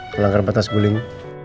kelengkar batas guling